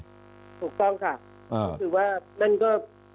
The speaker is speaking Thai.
ถูกต้องค่ะก็คือว่านั่นก็